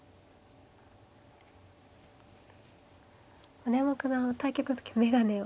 丸山九段は対局の時眼鏡を。